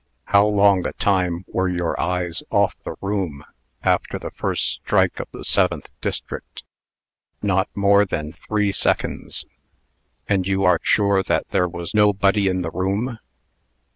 "How long a time were your eyes off the room, after the first stroke for the Seventh District?" "Not more than three seconds." "And you are sure that there was nobody in the room?"